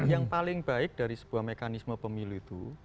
yang paling baik dari sebuah mekanisme pemilu itu